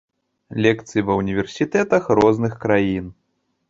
Лекцыі ва ўніверсітэтах розных краін.